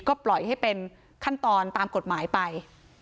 ก็ปล่อยให้เป็นขั้นตอนตามกฎหมายไป